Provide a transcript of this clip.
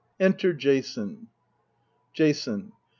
Enter JASON Jason.